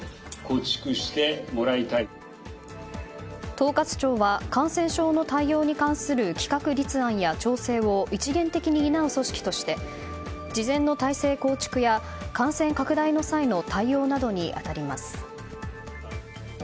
統括庁は感染症の対応に関する企画立案や調整を一元的に担う組織として事前の体制構築や感染拡大の際の対応などに当たります。